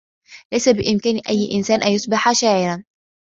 ليس بإمكان أي إنسان أن يصبح شاعرا.